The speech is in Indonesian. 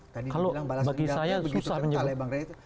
kalau bagi saya susah menyebut